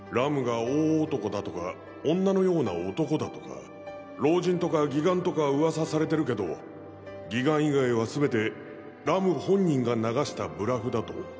ラムが大男だとか老人とか義眼とか噂されてるけど義眼以外はすべてラム本人が流したブラフだと。